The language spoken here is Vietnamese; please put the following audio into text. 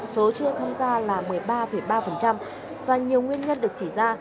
số chưa tham gia là một mươi ba ba và nhiều nguyên nhân được chỉ ra